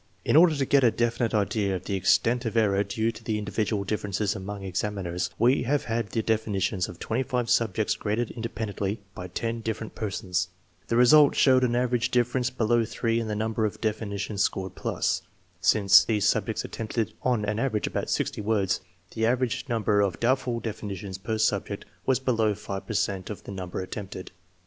In order to get a definite idea of the extent of error due to the in dividual differences among examiners, we have had the definitions of 5 subjects graded independently by 10 dif ferent persons. The result showed an average difference below 3 in the number of definitions scored plus. Since these subjects attempted on an average about 60 words, the average number of doubtful definitions per subject was below 5 per cent of the number attempted.